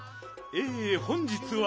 え本日は。